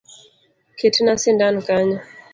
Ketna sindan kanyo